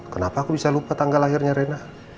kenapa aku bisa lupa tanggal lahirnya rena